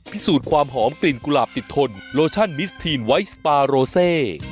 พิสูจน์ความหอมกลิ่นกุหลาบติดทนโลชั่นมิสทีนไวท์สปาโรเซ